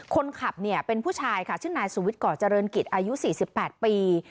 คนขับเนี่ยเป็นผู้ชายค่ะชื่อนายสุวิทย์ก่อเจริญกิจอายุ๔๘ปี